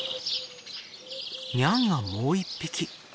ニャンがもう一匹。